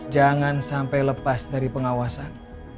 jangan sampai lepas dari pengawasan